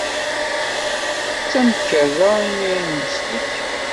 D tamkerra imi ay neslek.